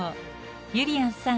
ゆりやんさん